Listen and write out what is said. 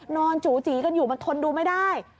นอนจู๋จี๋กันอยู่ทนดูไม่ได้